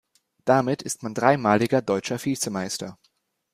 Damit ist man dreimaliger deutscher Vizemeister.